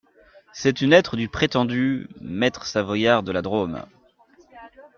C’est une lettre du prétendu… maître Savoyard de la Drôme.